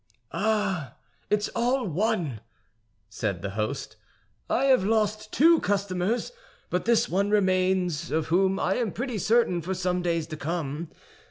"Ah, it's all one," said the host; "I have lost two customers, but this one remains, of whom I am pretty certain for some days to come.